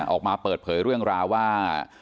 ออกมาเปิดเผยเรื่องราวว่า